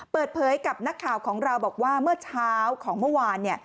เปิดเผยกับนักข่าวของเราบอกว่าเมื่อเช้าของเมื่อวาน